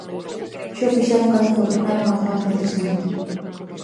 Xa o fixeron cando gobernaron a gran recesión.